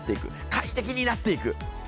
快適になっていく。